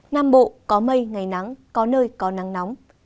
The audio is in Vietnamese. nam bộ có mây ngày nắng có nơi có nắng nóng